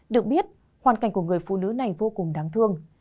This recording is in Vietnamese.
được biết hoàn cảnh của người phụ nữ này vô cùng đáng thương